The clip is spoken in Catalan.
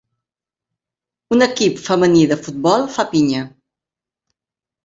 Un equip femení de futbol fa pinya.